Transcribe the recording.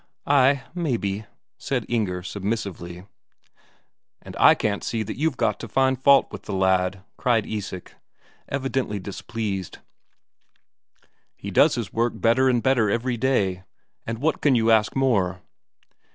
"Ay, maybe," said Inger submissively. "And I can't see what you've got to find fault with the lad," cried Isak, evidently displeased. "He does his work better and better every day, and what can you ask more?"